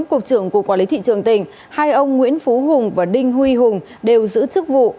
cục trưởng cục quản lý thị trường tỉnh hai ông nguyễn phú hùng và đinh huy hùng đều giữ chức vụ